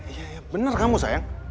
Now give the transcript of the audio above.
iya bener kamu sayang